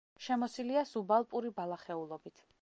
შემოსილია სუბალპური ბალახეულობით.